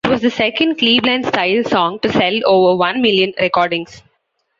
It was the second Cleveland-style song to sell over one million recordings.